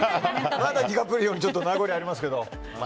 まだディカプリオの名残ありますけど。